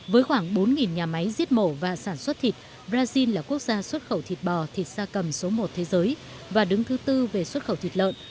với khoảng bốn nhà máy giết mổ và sản xuất thịt brazil là quốc gia xuất khẩu thịt bò thịt xa cầm số một thế giới và đứng thứ tư về xuất khẩu thịt lợn